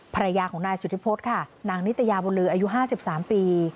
ภรรยาของนายสุธิพฤษค่ะนางนิตยาบุญลืออายุ๕๓ปี